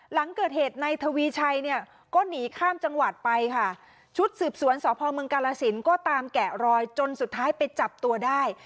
หลังเกิดเหตุในทวีชัยเนี่ยก็หนีข้ามจังหวัดไปค่ะชุดสืบสวนสพเมืองกาลสินก็ตามแกะรอยจนสุดท้ายไปจับตัวได้